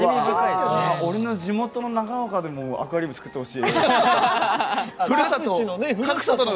俺の地元の長岡でもアクアリウム作ってほしい。